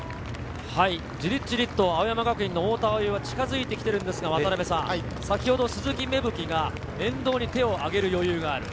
ジリジリと青山学院の太田蒼生が近づいてきているのですが、鈴木芽吹が沿道に手を上げる余裕がある。